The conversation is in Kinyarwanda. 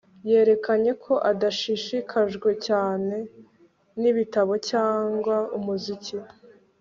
Yerekanye ko adashishikajwe cyane nibitabo cyangwa umuziki